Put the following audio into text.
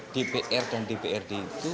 dpr dan dprd itu